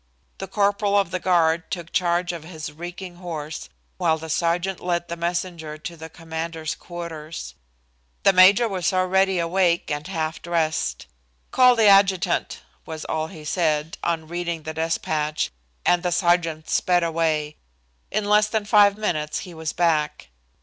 The corporal of the guard took charge of his reeking horse, while the sergeant led the messenger to the commander's quarters. The major was already awake and half dressed. "Call the adjutant," was all he said, on reading the despatch, and the sergeant sped away. In less than five minutes he was back.